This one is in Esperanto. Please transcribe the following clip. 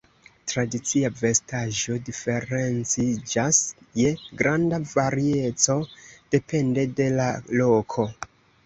Tradicia vestaĵo diferenciĝas je granda varieco depende de la loko.